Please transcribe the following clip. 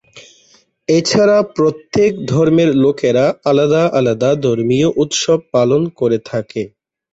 এছাড়া প্রত্যেক ধর্মের লোকেরা আলাদা আলাদা ধর্মীয় উৎসব পালন করে থাকে।